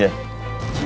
terima kasih pak